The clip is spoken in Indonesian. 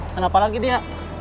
kenapa lagi dia